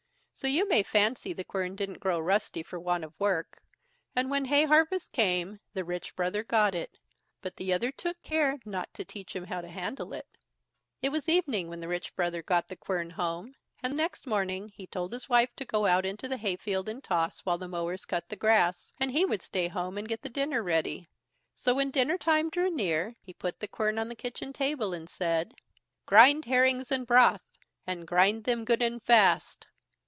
So you may fancy the quern didn't grow rusty for want of work, and when hay harvest came, the rich brother got it, but the other took care not to teach him how to handle it. It was evening when the rich brother got the quern home, and next morning he told his wife to go out into the hay field and toss, while the mowers cut the grass, and he would stay at home and get the dinner ready. So, when dinner time drew near, he put the quern on the kitchen table and said: "Grind herrings and broth, and grind them good and fast."